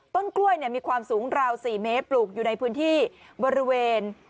ต้นกล้วยมีความสูงราว๔เมตรปลูกอยู่ในพื้นที่บริเวณ